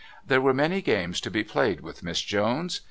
There were many games to be played with Miss Jones.